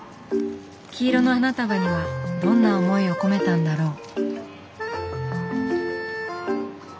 黄色の花束にはどんな思いを込めたんだろう？